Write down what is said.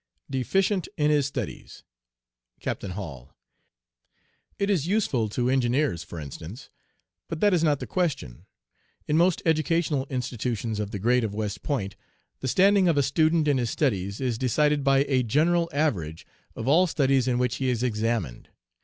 DEFICIENT IN HIS STUDIES. "CAPTAIN HALL 'It is useful to engineers, for instance. But that is not the question. In most educational institutions of the grade of West Point, the standing of a student in his studies is decided by a general average of all studies in which he is examined.